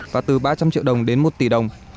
và từ ba trăm linh triệu đồng đến một tỷ đồng